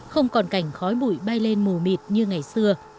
không còn cảnh khói bụi bay lên mù mịt như ngày xưa